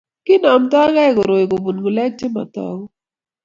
Kinomtokei koroi kobun ngulek che motoku